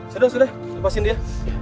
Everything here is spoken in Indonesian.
sudah sudah lepaskan dia